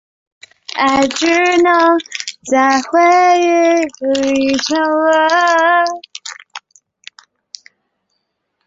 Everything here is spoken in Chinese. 塔萨加拉是位于美国加利福尼亚州康特拉科斯塔县的一个非建制地区。